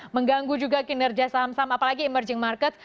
mengganggu juga kinerja saham saham apalagi emerging market